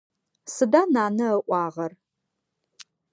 Сыда нанэ ыӏуагъэр?